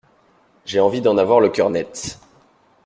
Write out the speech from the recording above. J’ai envie d’en avoir le cœur net.